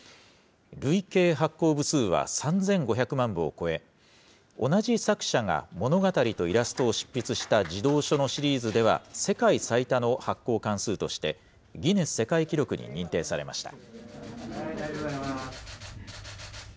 累計発行部数は３５００万部を超え、同じ作者が物語とイラストを執筆した児童書のシリーズでは世界最多の発行巻数として、ギネス世界記録に認定されました。